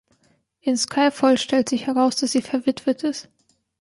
In „Skyfall“ stellt sich heraus, dass sie verwitwet ist.